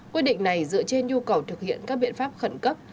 quyết định này dựa trên nhu cầu thực hiện các biện pháp khẩn cấp